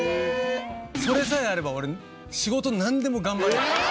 それさえあれば俺仕事なんでも頑張れる。